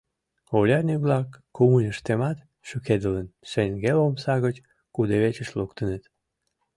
Урядник-влак, кумыньыштымат шӱкедылын, шеҥгел омса гыч кудывечыш луктыныт.